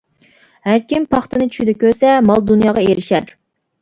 ھەركىم پاختىنى چۈشىدە كۆرسە، مال-دۇنياغا ئېرىشەر.